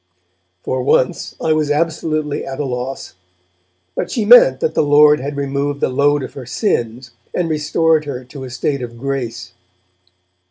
For once, I was absolutely at a loss, but she meant that the Lord had removed the load of her sins, and restored her to a state of grace.